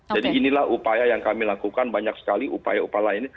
jadi inilah upaya yang kami lakukan banyak sekali upaya upaya lain